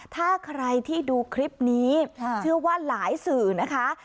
ถ้าใครที่ดูคลิปนี้เชื่อว่าหลายสื่อนะคะ